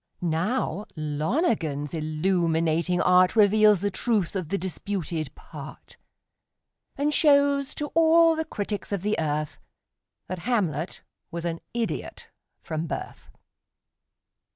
Now, Lonergan's illuminating art Reveals the truth of the disputed "part," And shows to all the critics of the earth That Hamlet was an idiot from birth!